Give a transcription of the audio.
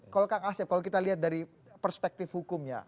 kalau kang asep kalau kita lihat dari perspektif hukumnya